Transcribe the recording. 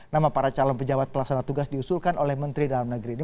nama para calon pejabat pelaksana tugas diusulkan oleh menteri dalam negeri ini